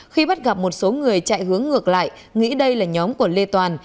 khi bắt gặp một số người chạy hướng ngược lại nghĩ đây là nhóm của lê toàn